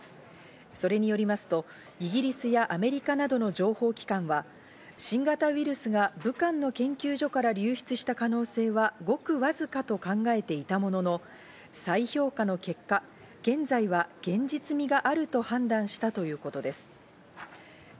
それによりますと、イギリスやアメリカなどの情報機関は新型ウイルスが武漢の研究所から流出した可能性はごく僅かと考えていたものの、再評価の結果、現在は現実味があると判断したということです。